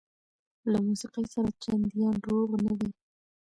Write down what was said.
له موسقۍ سره چنديان روغ نه دي